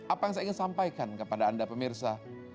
apa yang saya ingin sampaikan kepada anda pemirsa